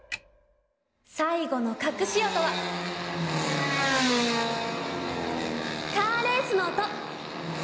さいごのかくし音はカーレースの音。